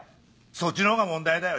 そっちの方が問題だよ